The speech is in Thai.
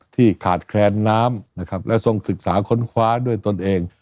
ที่ขาดแคลนน้ำนะครับและทรงศึกษาค้นคว้าด้วยตนเอง